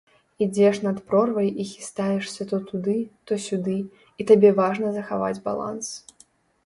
Ідзеш над прорвай і хістаешся то туды, то сюды, і табе важна захаваць баланс.